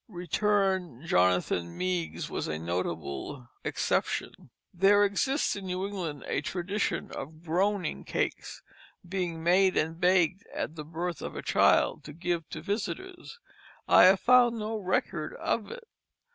Return Jonathan Meigs was a notable exception. There exists in New England a tradition of "groaning cakes" being made and baked at the birth of a child, to give to visitors. I have found no record of it.